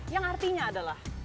yang artinya adalah